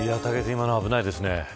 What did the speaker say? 今の危ないですね。